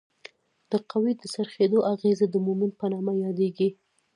د قوې د څرخیدو اغیزه د مومنټ په نامه یادیږي.